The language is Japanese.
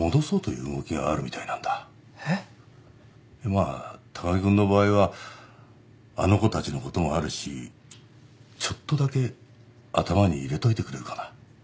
まあ高木君の場合はあの子たちのこともあるしちょっとだけ頭に入れといてくれるかな。